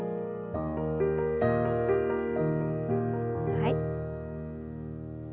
はい。